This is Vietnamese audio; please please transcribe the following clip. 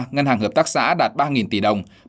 ngân hàng hợp tác xã đạt ba tỷ đồng